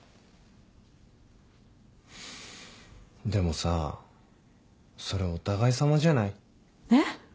でもさそれお互いさまじゃない？えっ？